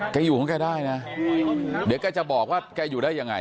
อยู่ของแกได้นะเดี๋ยวแกจะบอกว่าแกอยู่ได้ยังไง